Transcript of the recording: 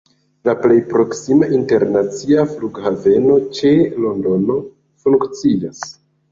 La plej proksima internacia flughaveno ĉe Londono funkcias.